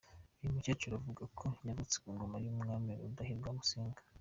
Uyu mukecuru avuga ko yavutse ku ngoma y’umwami Rudahigwa na Musinga.